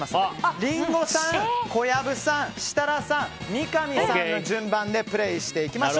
リンゴさん、小籔さん設楽さん、三上さんの順番でプレーしていきましょう。